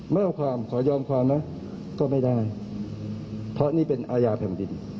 ไม่เอาความขอยอมความนะก็ไม่ได้เพราะนี่เป็นอาญาแผ่นดิน